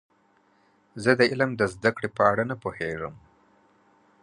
زه د علم د زده کړې په اړه نه پوهیږم.